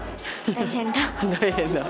大変だー。